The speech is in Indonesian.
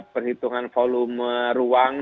perhitungan volume ruang